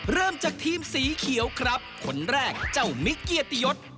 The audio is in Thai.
เริ่มจากทีมสีเขียวครับคนแรกเจ้ามิกเกียรติยศ